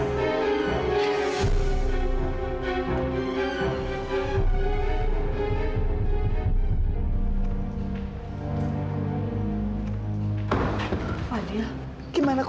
siap dengan perintah